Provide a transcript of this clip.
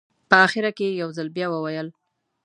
په اخره کې یې یو ځل بیا وویل.